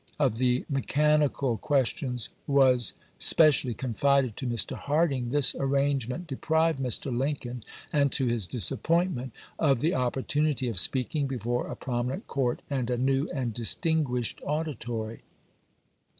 of the mechanical questions was specially confided to Mr. Harding, this arrangement deprived Mr. Lincoln, and to his disappointment, of the oppor tunity of speaking before a prominent Court and a new and distinguished auditory.